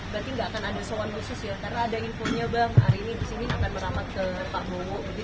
berarti gak akan ada soal khusus ya karena ada infonya bang hari ini disini akan meramat ke pak bowo